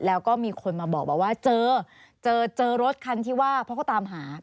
แล้วก็มีคนมาบอกว่าเจอเจอรถคันที่ว่าเพราะเขาตามหา